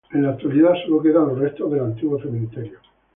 En la actualidad sólo quedan los restos del antiguo cementerio.